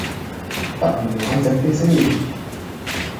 不如冷靜啲先